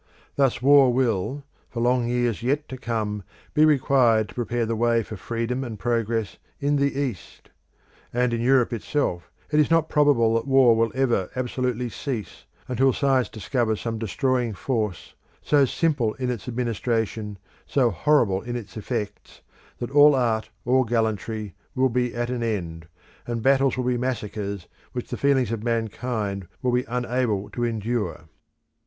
Thus war will, for long years yet to come, be required to prepare the way for freedom and progress in the East; and in Europe itself, it is not probable that war will ever absolutely cease until science discovers some destroying force, so simple in its administration, so horrible in its effects, that all art, all gallantry, will be at an end, and battles will be massacres which the feelings of mankind will be unable to endure.